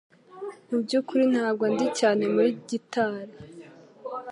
Mu byukuri ntabwo ndi cyane muri gitari